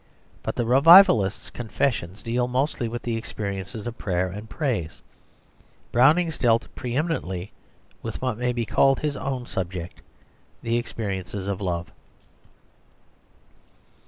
But the revivalists' confessions deal mostly with experiences of prayer and praise; Browning's dealt pre eminently with what may be called his own subject, the experiences of love.